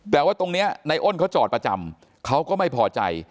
แต่ว่าตรงนี้ในอ้นเขาจอดประจำเขาก็ไม่พอใจ